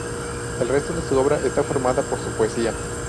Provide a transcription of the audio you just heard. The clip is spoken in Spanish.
El resto de su obra está formada por su poesía.